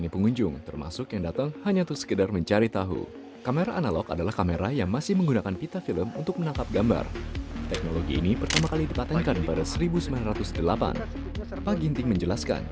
pada tahun seribu sembilan ratus delapan pak ginting menjelaskan